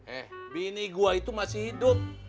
eh bini gue itu masih hidup